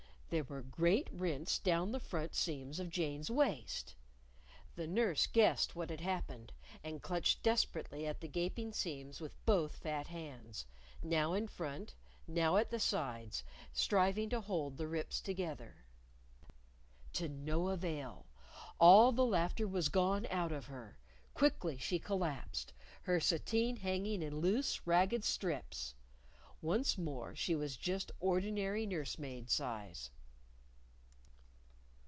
There were great rents down the front seams of Jane's waist! The nurse guessed what had happened, and clutched desperately at the gaping seams with both fat hands now in front, now at the sides, striving to hold the rips together. To no avail! All the laughter was gone out of her. Quickly she collapsed, her sateen hanging in loose, ragged strips. Once more she was just ordinary nurse maid size.